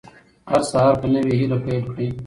هر سهار په نوې هیله پیل کړئ.